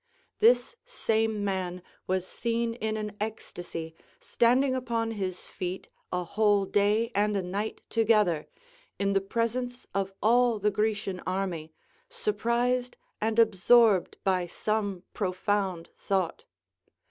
This same man was seen in an ecstasy, standing upon his feet a whole day and a night together, in the presence of all the Grecian army, surprised and absorbed by some profound thought.